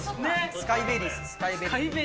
スカイベリー！